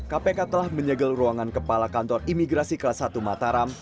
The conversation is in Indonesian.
kpk telah menyegel ruangan kepala kantor imigrasi kelas satu mataram